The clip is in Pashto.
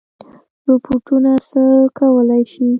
روبوټونه څه کولی شي؟